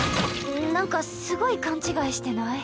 なんかすごい勘違いしてない？